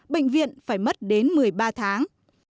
bệnh viện phải mất đến một mươi ba tháng